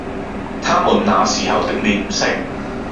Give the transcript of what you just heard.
他們那時候的臉色，